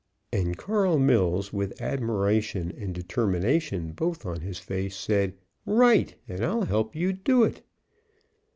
And Carl Mills, with admiration and determination both on his face, said, "Right! And I'll help you do it!"